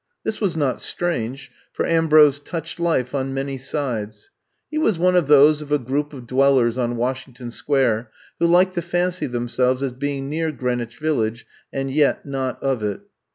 This was not strange, for Ambrose touched life on many sides. He was one of those of a group of dwellers on Washington Square who liked to fancy themselves as being near Green wich Village and yet not of it.